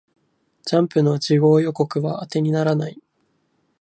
ジャンプの次号予告は当てにならない